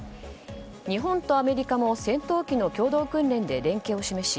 日本とアメリカも戦闘機の共同訓練で連携を示し